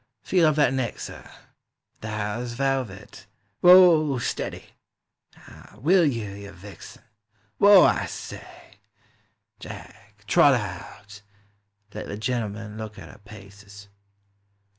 Feel of that neck, sir, — thar's velvet! Whoa! Steady — ah, will you? you vixen! Whoa! I say. Jack, trot her out; let the gentle man look at her paces.